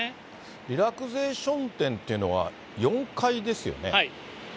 リラクゼーション店というのは、４階ですよね？